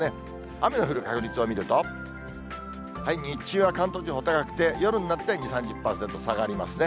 雨の降る確率を見ると、日中は関東地方、高くて、夜になって２、３０％、下がりますね。